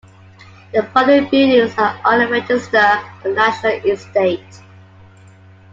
The following buildings are on the Register of the National Estate.